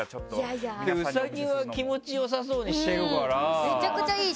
ウサギは気持ちよさそうにしてるから。